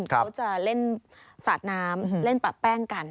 เขาจะเล่นสาดน้ำเล่นปะแป้งกัน